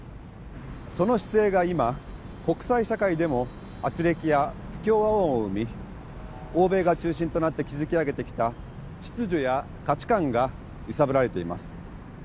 その姿勢が今国際社会でもあつれきや不協和音を生み欧米が中心となって築き上げてきた秩序や価値観が揺さぶられています。